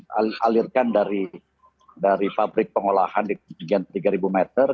kami alirkan dari pabrik pengolahan di kegiatan tiga meter